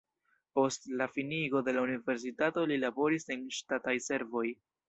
Post la finigo de la universitato li laboris en ŝtataj servoj.